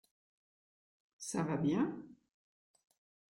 Ça va bien ?